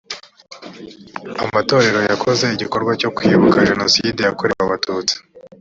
amatorero yakoze igikorwa cyo kwibuka jenoside yakorewe abatutsi